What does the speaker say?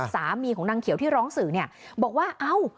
สามีของนางเขียวที่ร้องสื่อเนี่ยบอกว่าเอ้า